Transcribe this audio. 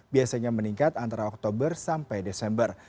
biasanya meningkat antara oktober sampai desember